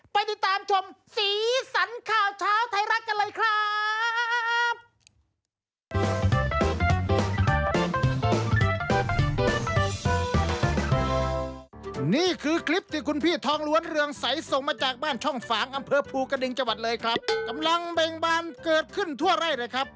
ไปติดตามชมสีสันข่าวเช้าไทยรัฐกันเลยครับ